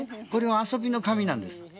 遊びのかみなんです。